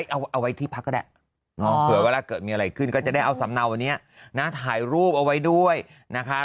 เอาไว้ที่พักก็ได้เผื่อเวลาเกิดมีอะไรขึ้นก็จะได้เอาสำเนาอันนี้นะถ่ายรูปเอาไว้ด้วยนะคะ